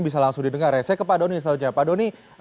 bisa langsung didengar ya saya ke pak doni saja pak doni